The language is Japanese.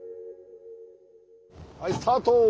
はいスタート！